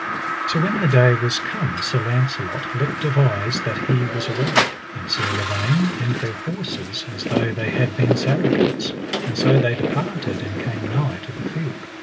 So when the day was come Sir Launcelot let devise that he was arrayed, and Sir Lavaine, and their horses, as though they had been Saracens; and so they departed and came nigh to the field.